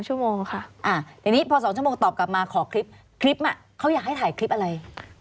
๒ชั่วโมงค่ะในตอนนี้พอ๒ชั่วโมงตอบกับมาคอยอยาให้ถ่ายคลิปอะไร